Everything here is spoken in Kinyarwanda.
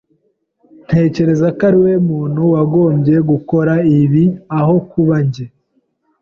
Ntekereza ko ariwe muntu wagombye gukora ibi aho kuba njye.